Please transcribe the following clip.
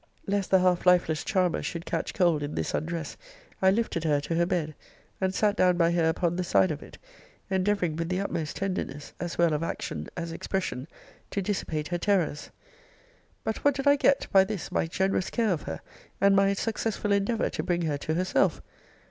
Lest the half lifeless charmer should catch cold in this undress, I lifted her to her bed, and sat down by her upon the side of it, endeavouring with the utmost tenderness, as well of action as expression, to dissipate her terrors. But what did I get by this my generous care of her, and my successful endeavour to bring her to herself?